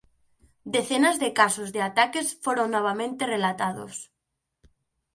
Decenas de casos de ataques foron novamente relatados.